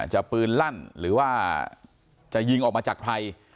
จะปืนลั่นหรือว่าจะยิงออกมาจากใคร